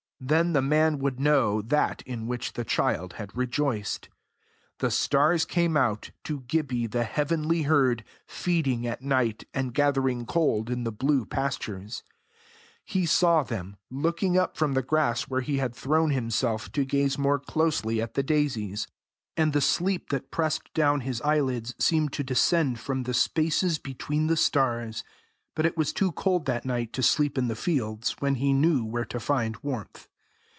Then the man would know that in which the child had rejoiced. The stars came out, to Gibbie the heavenly herd, feeding at night, and gathering gold in the blue pastures. He saw them, looking up from the grass where he had thrown himself to gaze more closely at the daisies; and the sleep that pressed down his eyelids seemed to descend from the spaces between the stars. But it was too cold that night to sleep in the fields, when he knew where to find warmth.